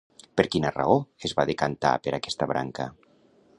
Per quina raó es va decantar per aquesta branca?